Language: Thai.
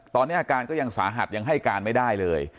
ตอนนี้อาการก็ยังสาหัสยังให้การไม่ได้เลย